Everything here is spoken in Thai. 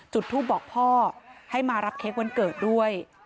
จุดทูปบอกพ่อให้มารับเค้กวันเกิดด้วย